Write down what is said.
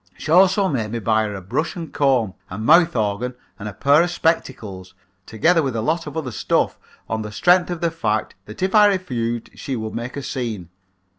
She also made me buy her a brush and comb, a mouth organ and a pair of spectacles, together with a lot of other stuff on the strength of the fact that if I refused she would make a scene.